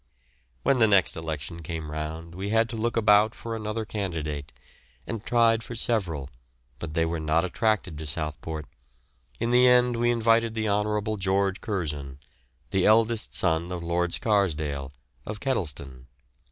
When the next election came round, we had to look about for another candidate, and tried for several, but they were not attracted to Southport; in the end we invited the Honourable George Curzon, the eldest son of Lord Scarsdale, of Kedleston.